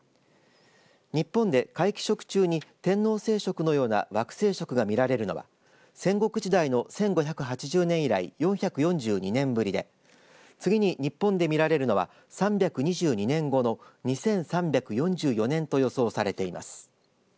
日本で皆既食中に天王星食のような惑星食が見られるのは戦国時代の１５８０年以来４４２年ぶりで次に日本で見られるのは３２２年ごろ２３４４年と予想されています。